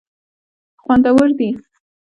خوندور دي.